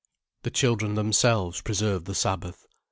The children themselves preserved the Sabbath.